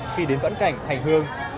khi đến vãn cảnh hành hương